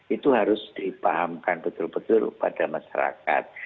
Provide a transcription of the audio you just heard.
itu harus dipahamkan betul betul kepada masyarakat